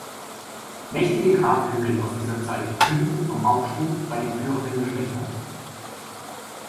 Mächtige Grabhügel aus dieser Zeit künden vom Aufschwung bei den führenden Geschlechtern.